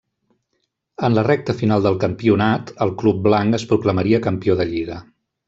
En la recta final del campionat, el club blanc es proclamaria campió de lliga.